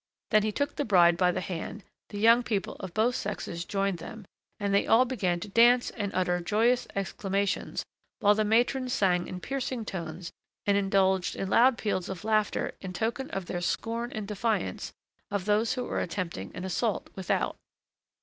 Then he took the bride by the hand, the young people of both sexes joined them, and they all began to dance and utter joyous exclamations, while the matrons sang in piercing tones and indulged in loud peals of laughter in token of their scorn and defiance of those who were attempting an assault without.